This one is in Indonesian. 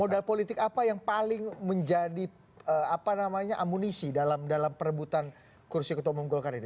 modal politik apa yang paling menjadi amunisi dalam perebutan kursi ketua umum golkar ini